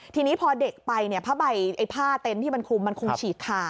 ทีนี้พอเด็กไปเนี่ยผ้าใบผ้าเต็นต์ที่มันคลุมมันคงฉีกขา